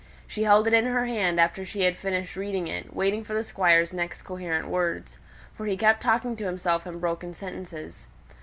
She held it in her hand after she had finished reading it, waiting for the Squire's next coherent words; for he kept talking to himself in broken sentences.